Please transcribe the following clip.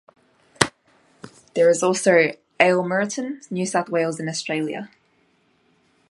"There is also Aylmerton, New South Wales in Australia"